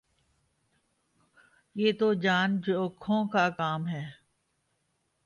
یہ تو جان جوکھوں کا کام ہے